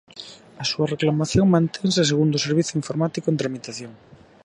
A súa reclamación mantense, segundo o servizo informático, "en tramitación".